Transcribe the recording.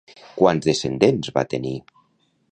Quants descendents va tenir?